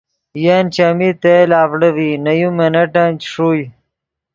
ین چیمی تیل اڤڑے ڤی نے یو منٹن چے ݰوئے